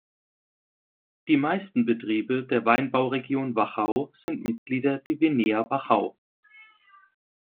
Die meisten Betriebe der Weinbauregion Wachau sind Mitglieder der Vinea Wachau.